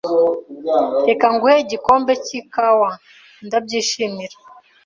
"Reka nguhe igikombe cy'ikawa." "Ndabyishimira."